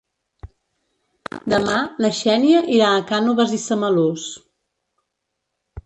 Demà na Xènia irà a Cànoves i Samalús.